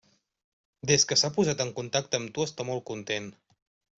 Des que s'ha posat en contacte amb tu està molt content.